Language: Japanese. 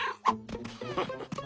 フフフフ。